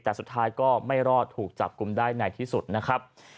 แต่สุดท้ายก็ไม่รอดถูกจับกลุ่มได้ในที่สุดนะครับ